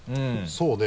そうね